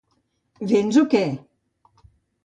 Véns o què?